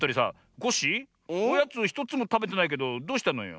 コッシーおやつひとつもたべてないけどどうしたのよ？